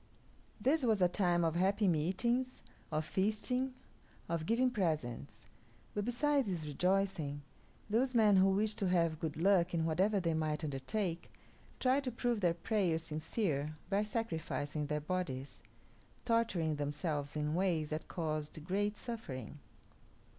This was a time of happy meetings, of feasting, of giving presents; but besides this rejoicing, those men who wished to have good luck in whatever they might undertake tried to prove their prayers sincere by sacrificing their bodies, torturing themselves in ways that caused great suffering.